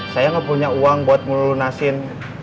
saya gak punya uang buat ngelunasin